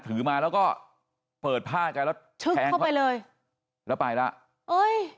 ถือมาแล้วก็เปิดผ้ากันแล้วแทงเข้าไปเลยแล้วไปแล้วเอ้ย